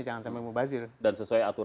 jangan sampai mubazir dan sesuai aturan